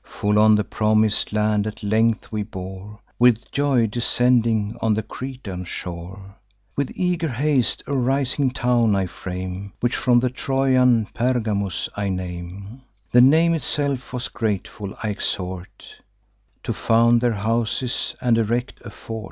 Full on the promis'd land at length we bore, With joy descending on the Cretan shore. With eager haste a rising town I frame, Which from the Trojan Pergamus I name: The name itself was grateful; I exhort To found their houses, and erect a fort.